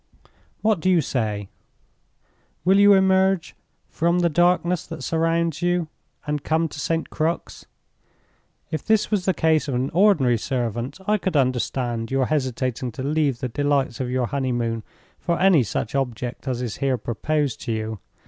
"What do you say? Will you emerge from the darkness that surrounds you and come to St. Crux? If this was the case of an ordinary servant, I could understand your hesitating to leave the delights of your honeymoon for any such object as is here proposed to you.